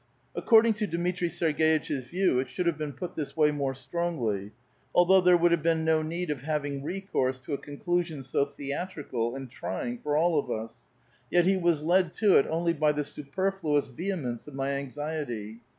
According to Dmitri Serg^itch's view, it should have been put this way more strongly ; although there would have been no need of having recourse to a conclusion so theatrical and trying for all of us, yet he was led to it only by the superfluous vehemence of my anxiety.